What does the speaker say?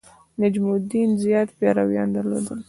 نجم الدین زیات پیروان درلودل.